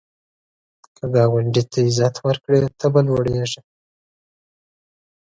که ګاونډي ته عزت ورکړې، ته به لوړیږې